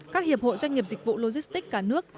các hiệp hội doanh nghiệp dịch vụ logistics cả nước